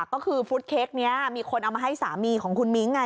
ก็คือฟุตเค้กนี้มีคนเอามาให้สามีของคุณมิ้งไง